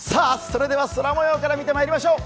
それでは空もようから見てみましょう。